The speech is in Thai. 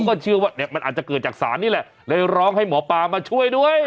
ก็เชื่อว่าเนี่ยมันอาจจะเกิดจากศาลนี่แหละเลยร้องให้หมอปลามาช่วยด้วย